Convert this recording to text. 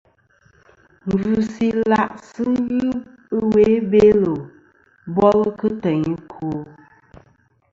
Ngvɨsɨ ila' sɨ ghɨ ɨwe i Belo bol kɨ teyn ɨkwo.